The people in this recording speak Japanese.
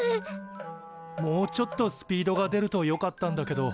もうちょっとスピードが出るとよかったんだけど。